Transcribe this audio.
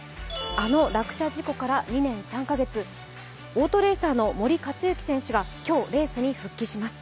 あの落車事故からおよそ２年３か月、オートレーサーの森且行選手が今日、レースに復帰します。